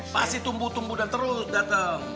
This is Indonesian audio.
pasti tumbuh tumbuh dan terus datang